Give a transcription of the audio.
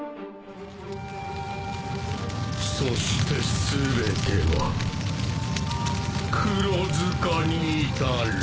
そして全ては墓場に至る。